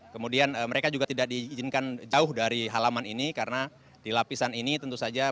kemudian mereka juga tidak diizinkan jauh dari halaman ini karena di lapisan ini tentu saja